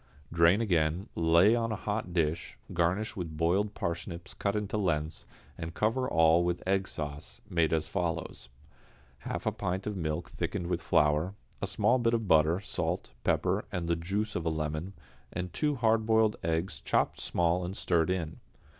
Drain again, lay on a hot dish, garnish with boiled parsnips cut into lengths, and cover all with egg sauce, made as follows: half a pint of milk thickened with flour, a small bit of butter, salt, pepper, the juice of a lemon, and two hard boiled eggs chopped small and stirred in.